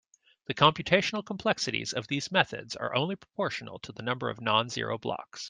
The computational complexities of these methods are only proportional to the number of non-zero blocks.